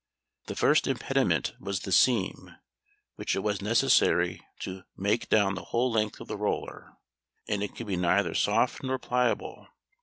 The first impediment was the seam which it was necessary to make down the whole length of the roller; and it could be kept neither soft nor pliable.